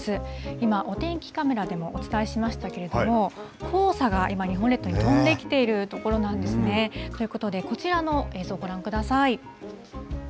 今、お天気カメラでもお伝えしましたけれども、黄砂が今、日本列島に飛んできているところなんですね。ということで、こちらの映像、ご覧ください。